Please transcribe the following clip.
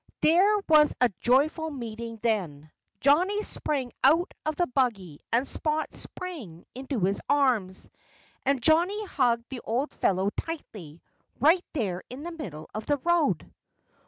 There was a joyful meeting then. Johnnie sprang out of the buggy and Spot sprang into his arms. And Johnnie hugged the old fellow tightly, right there in the middle of the road.